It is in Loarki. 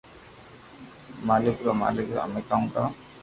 مالڪ رو مالڪ رو امي ڪاو ڪرو